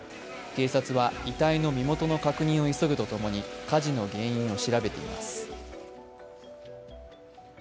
警察は遺体の身元確認を急ぐとともに火事の原因を調べています。